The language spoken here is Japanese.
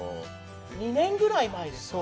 ２年ぐらい前ですね。